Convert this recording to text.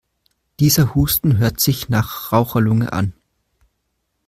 Dieser Husten hört sich nach Raucherlunge an.